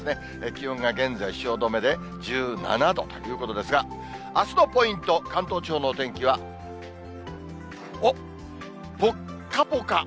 気温が現在、汐留で１７度ということですが、あすのポイント、関東地方のお天気は、おっ、ぽっかぽか。